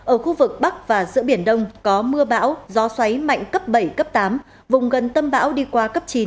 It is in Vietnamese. ở khu vực bắc và giữa biển đông có mưa bão gió xoáy mạnh cấp bảy cấp tám vùng gần tâm bão đi qua cấp chín